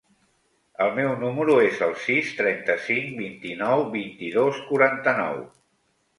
El meu número es el sis, trenta-cinc, vint-i-nou, vint-i-dos, quaranta-nou.